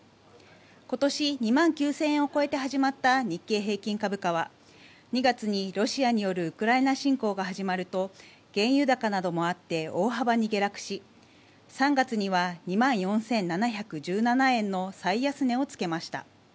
今年、２万９０００円を超えて始まった日経平均株価は２月にロシアによるウクライナ侵攻が始まると原油高などもあって大幅に下落し３月には２万４７１７円の最安値をつけました。